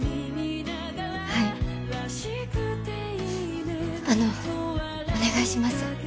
はいあのお願いします